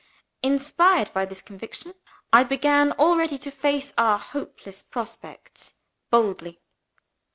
Inspired by this conviction, I began already to face our hopeless prospects boldly.